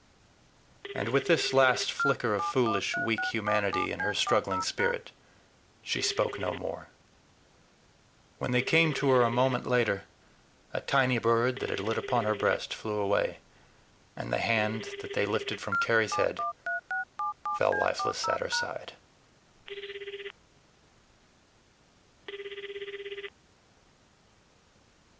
And with this last flicker of foolish, weak humanity in her struggling spirit, she spoke no more. When they came to her a moment later, a tiny bird that had lit upon her breast flew away; and the hand that they lifted from Carry's head fell lifeless at her side.